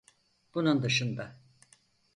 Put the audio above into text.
Bunun dışında.